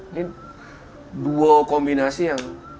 ini dua kombinasi yang